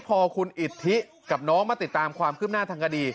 พอคุณอิทธิกับน้องมาติดตามความคืบหน้าทางคดี